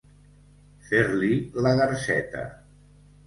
Fer-li la garseta.